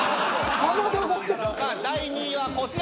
第２位はこちら。